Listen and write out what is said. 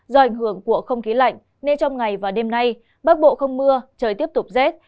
do ảnh hưởng của không khí lạnh nên trong ngày và đêm nay bắc bộ không mưa trời tiếp tục rét